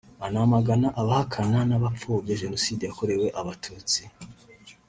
anamagana abahakana n’abapfobya jenoside yakorewe Abatutsi